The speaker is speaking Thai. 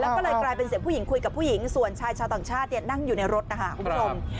แล้วก็เลยกลายเป็นเสียงผู้หญิงคุยกับผู้หญิงส่วนชายชาวต่างชาตินั่งอยู่ในรถนะคะคุณผู้ชม